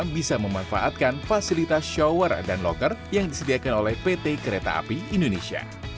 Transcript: bisa memanfaatkan fasilitas shower dan locker yang disediakan oleh pt kereta api indonesia